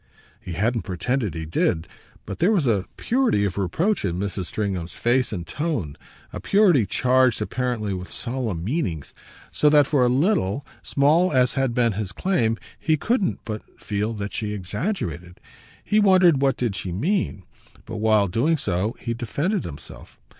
He hadn't pretended he did, but there was a purity of reproach in Mrs. Stringham's face and tone, a purity charged apparently with solemn meanings; so that for a little, small as had been his claim, he couldn't but feel that she exaggerated. He wondered what she did mean, but while doing so he defended himself.